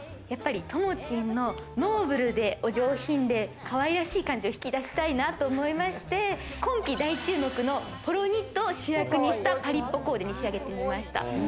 やっぱり、ともちんのノーブルでお上品で可愛らしい感じを引き出したいなと思いまして、今季大注目のポロニットを主役にしたパリっぽコーデに仕上げています。